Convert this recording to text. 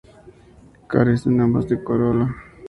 Carecen ambas de corola.